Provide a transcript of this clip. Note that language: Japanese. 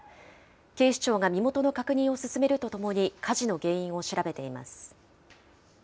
警視庁が身元の確認を進めるとともに、火事の原因を調べています。